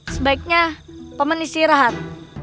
sebaiknya paman istirahat